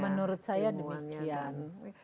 menurut saya demikian